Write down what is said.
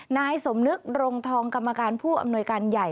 นายสมนึกรงทองกรรมการผู้อำนวยการใหญ่